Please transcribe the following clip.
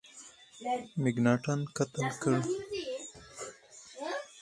مکناټن قتل کړ.